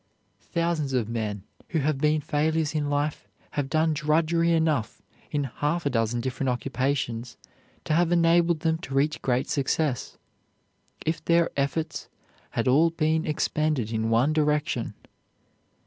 Thousands of men who have been failures in life have done drudgery enough in half a dozen different occupations to have enabled them to reach great success, if their efforts had all been expended in one direction.